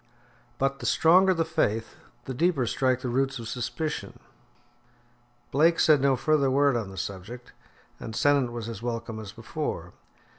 But the stronger the faith, the deeper strike the roots of suspicion. Blake said no further word on the subject, and Sennett was as welcome as before.